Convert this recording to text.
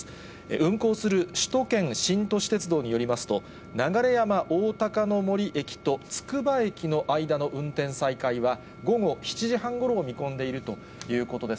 運行する首都圏新都市鉄道によりますと、流山おおたかの森駅とつくば駅の間の運転再開は、午後７時半ごろを見込んでいるということです。